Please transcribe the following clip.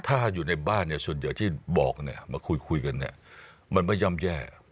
ถ้าอยู่ในบ้านเนี่ยส่วนใหญ่ที่บอกมาคุยกันเนี่ยมันไม่ย่ำแย่